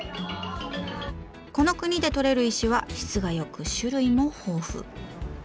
この国でとれる石は質が良く種類も豊富。